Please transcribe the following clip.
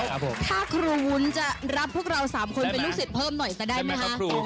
ถ้าครูวุ้นจะรับพวกเรา๓คนเป็นลูกศิษย์เพิ่มหน่อยซะได้ไหมคะ